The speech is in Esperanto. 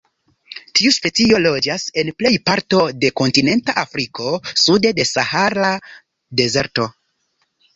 Tiu specio loĝas en plej parto de kontinenta Afriko sude de Sahara Dezerto.